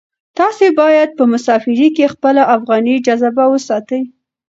تاسو باید په مسافرۍ کې خپله افغاني جذبه وساتئ.